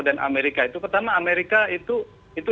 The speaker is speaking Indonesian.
dan amerika itu pertama amerika itu itu